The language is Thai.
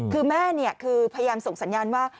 คือแม่คือพยายามส่งสัญญาณว่า